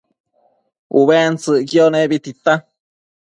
ubentsëcquio nebi tita